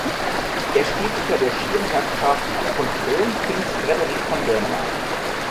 Er steht unter der Schirmherrschaft von Kronprinz Frederik von Dänemark.